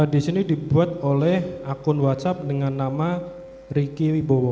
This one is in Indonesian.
disini dibuat oleh akun whatsapp dengan nama ricky wibowo